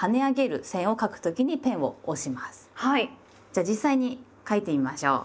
じゃあ実際に書いてみましょう。